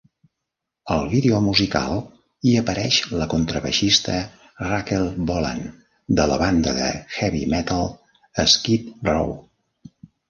Al vídeo musical hi apareix la contrabaixista Rachel Bolan de la banda de heavy metal Skid Row.